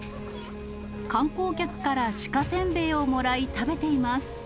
観光客からシカせんべいをもらい食べています。